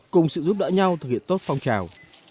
cùng sự giúp đỡ nhau thực hiện tốt phong trào